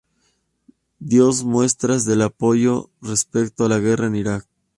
Dio muestras de apoyo respecto a la guerra en Irak.